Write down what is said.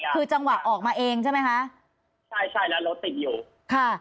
คือจังหวะออกมาเองใช่ไหมคะใช่ใช่แล้วรถติดอยู่ค่ะ